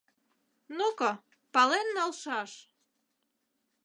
— Ну-ко, пален налшаш!